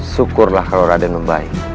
syukurlah kalau raden membaik